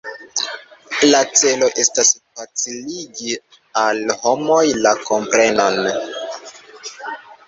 La celo estas faciligi al homoj la komprenon.